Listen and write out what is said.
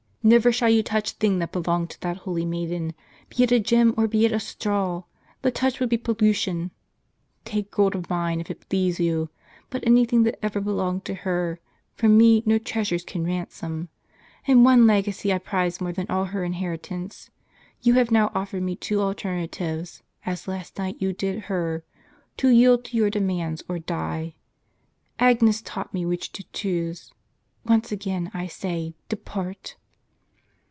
Never shall you touch thing that belonged to that holy maiden, be it a gem or be it a straw ! That touch would be pollution. Take gold of mine, if it please you ; but any thing that ever belonged to her, from me no treasures can ransom. And one legacy I prize more than all her inherit ance. You have now offered me two alternatives, as last night you did her, to yield to your demands, or die. Agnes taught me which to choose. Once again, I say, depart."